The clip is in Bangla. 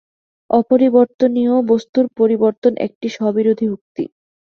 অপরিবর্তনীয় বস্তুর পরিবর্তন একটি স্ববিরোধী উক্তি।